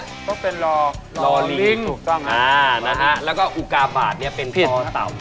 แล้วก็อุกาบาทเป็นตัว